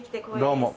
どうも。